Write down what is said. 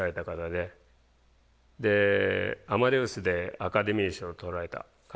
で「アマデウス」でアカデミー賞を取られた方です。